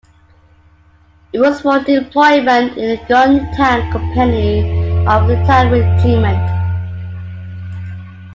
It was for deployment in a "gun tank company of the tank regiment".